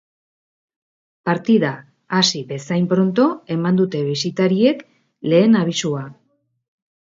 Partida hasi bezain pronto eman dute bisitariek lehen abisua.